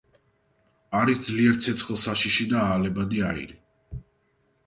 არის ძლიერ ცეცხლსაშიში და აალებადი აირი.